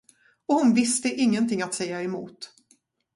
Och hon visste ingenting att säga emot.